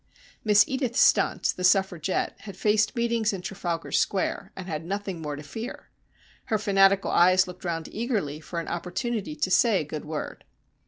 Miss Edith Stunt, the Suffragette, had faced meetings in Trafalgar Square, and had nothing more to fear. Her fanatical eyes looked round eagerly for an opportunity to say a good word.